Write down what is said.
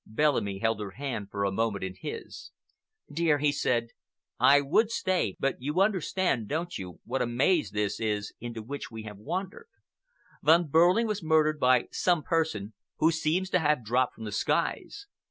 Bellamy held her hand for a moment in his. "Dear," he said, "I would stay, but you understand, don't you, what a maze this is into which we have wandered. Von Behrling has been murdered by some person who seems to have dropped from the skies.